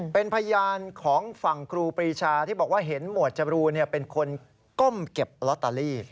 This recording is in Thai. เป็นพยานของฝั่งครูปรีชาที่บอกว่าเห็นหมวดจรูนเป็นคนก้มเก็บลอตเตอรี่